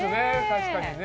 確かにね。